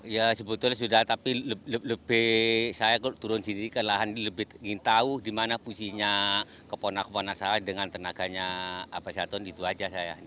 ya sebetulnya sudah tapi lebih saya turun sendiri ke lahan lebih ingin tahu dimana pusingnya keponakan saya dengan tenaganya aba satun itu aja saya